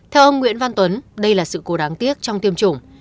theo ông nguyễn văn tuấn đây là sự cố đáng tiếc trong tiêm chủng